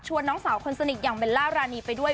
น้องสาวคนสนิทอย่างเบลล่ารานีไปด้วย